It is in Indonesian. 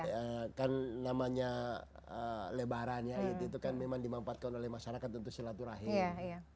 ya kalau kan namanya lebaran ya itu kan memang dimampatkan oleh masyarakat untuk selatu rahim